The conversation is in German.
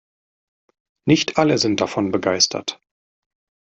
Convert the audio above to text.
Nicht alle sind davon begeistert.